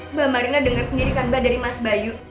mbak marina denger sendiri kan mbak dari mas bayu